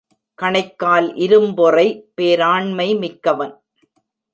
கணைக்கால் இரும்பொறை பேராண்மை மிக்கவன்.